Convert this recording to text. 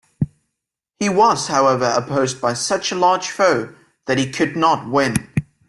He was, however, opposed by such a large foe that he could not win.